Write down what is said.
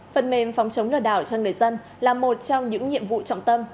phần mềm phòng chống lừa đảo cho người dân là một trong những nhiệm vụ trọng tâm